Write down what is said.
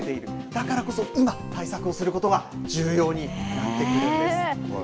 だからこそ今対策をすることが重要になってきているんです。